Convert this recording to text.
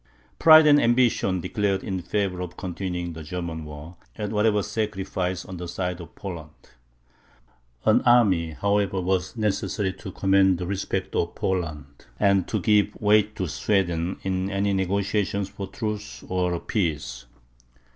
Pride and ambition declared in favour of continuing the German war, at whatever sacrifice on the side of Poland. An army, however, was necessary to command the respect of Poland, and to give weight to Sweden in any negotiations for a truce or a peace.